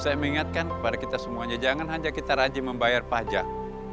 saya mengingatkan kepada kita semuanya jangan hanya kita rajin membayar pajak